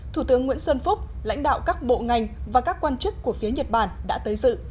thủ tướng nguyễn xuân phúc lãnh đạo các bộ ngành và các quan chức của phía nhật bản đã tới dự